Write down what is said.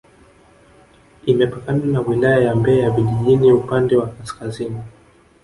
Imepakana na Wilaya ya Mbeya vijijini upande wa kaskazini